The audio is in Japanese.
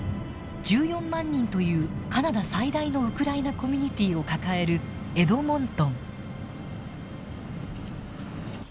１４万人というカナダ最大のウクライナコミュニティーを抱えるエドモントン。